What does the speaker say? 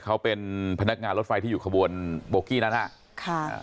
เขาเป็นพนักงานรถไฟที่อยู่ขบวนโบกี้นั้นอ่ะค่ะ